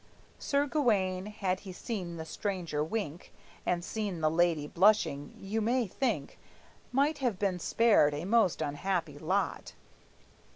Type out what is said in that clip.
Sir Gawayne, had he seen the stranger wink And seen the lady blushing, you may think Might have been spared a most unhappy lot.